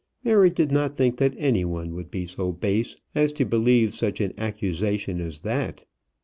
Mary did not think that any one would be so base as to believe such an accusation as that.